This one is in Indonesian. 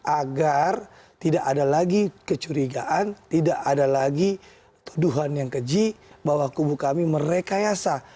agar tidak ada lagi kecurigaan tidak ada lagi tuduhan yang keji bahwa kubu kami merekayasa